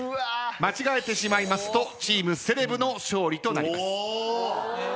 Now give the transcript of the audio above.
間違えてしまいますとチームセレブの勝利となります。